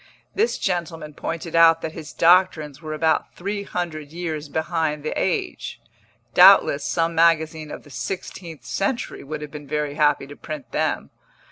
This gentleman pointed out that his doctrines were about three hundred years behind the age; doubtless some magazine of the sixteenth century would have been very happy to print them.